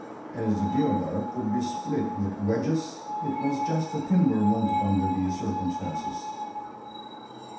As the deodar could be split with wedges, it was just the timber wanted under these circumstances.